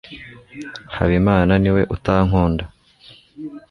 habimana niwe utankunda